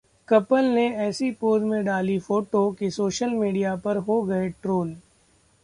couple ने ऐसी pose में डाली फोटो कि सोशल मीडिया पर हो गए ट्रोल